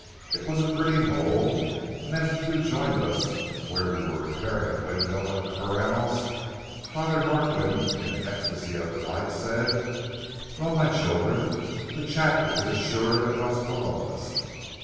It was a pretty knoll, and as the two joined us where we were repairing a windmill at the corrals, Father Norquin, in an ecstasy of delight, said: "Well, my children, the chapel is assured at Las Palomas.